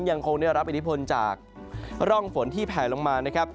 ยังคงได้รับอิทธิพลจากร่องฝนที่แผลลงมานะครับ